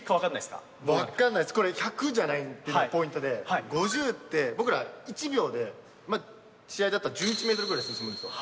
これ１００じゃないっていうのがポイントで５０って僕ら１秒で試合だったら１１ｍぐらい進むんですよ